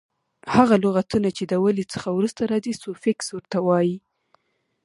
هغه لغتونه چي د ولي څخه وروسته راځي؛ سوفیکس ور ته وایي.